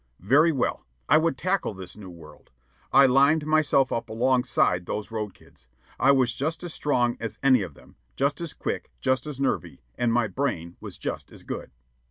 Very well; I would tackle this new world. I "lined" myself up alongside those road kids. I was just as strong as any of them, just as quick, just as nervy, and my brain was just as good.